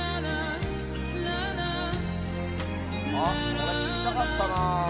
これ、聞きたかったな。